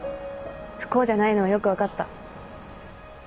不幸じゃないのはよくわかった。